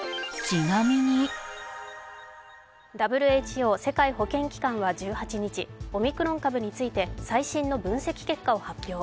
ＷＨＯ＝世界保健機関は１８日、オミクロン株について最新の分析結果を発表。